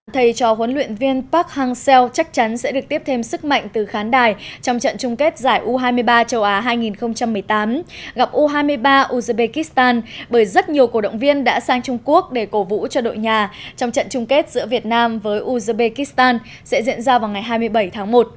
thầy cho huấn luyện viên park hang seo chắc chắn sẽ được tiếp thêm sức mạnh từ khán đài trong trận chung kết giải u hai mươi ba châu á hai nghìn một mươi tám gặp u hai mươi ba uzbekistan bởi rất nhiều cổ động viên đã sang trung quốc để cổ vũ cho đội nhà trong trận chung kết giữa việt nam với uzbekistan sẽ diễn ra vào ngày hai mươi bảy tháng một